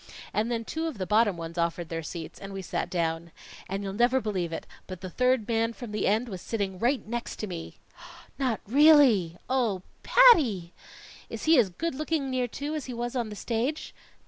And then two of the bottom ones offered their seats, and we sat down. And you'll never believe it, but the third man from the end was sitting right next to me!" "Not really?" "Oh, Patty!" "Is he as good looking near to, as he was on the stage?"